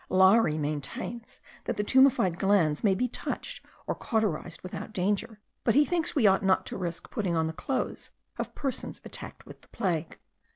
Larrey maintains that the tumified glands may be touched or cauterized without danger; but he thinks we ought not to risk putting on the clothes of persons attacked with the plague.